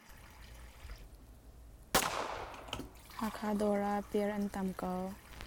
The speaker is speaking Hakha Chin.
Hakha dawr ah piar an tam ko.